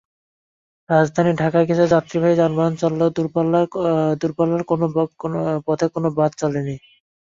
রাজধানী ঢাকায় কিছু যাত্রীবাহী যানবাহন চললেও দূরপাল্লার পথে কোনো বাস চলেনি।